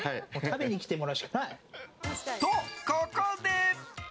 と、ここで。